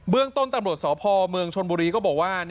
เรื่องต้นตำรวจสพเมืองชนบุรีก็บอกว่า